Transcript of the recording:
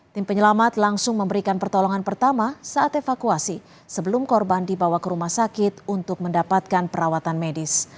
tim penyelamat langsung memberikan pertolongan pertama saat evakuasi sebelum korban dibawa ke rumah sakit untuk mendapatkan perawatan medis